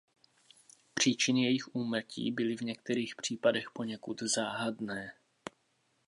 Příčiny jejich úmrtí byly v některých případech poněkud záhadné.